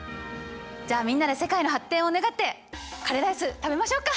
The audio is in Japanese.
じゃあみんなで世界の発展を願ってカレーライス食べましょうか！